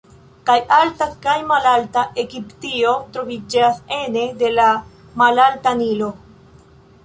Kaj Alta kaj Malalta Egiptio troviĝas ene de la Malalta Nilo.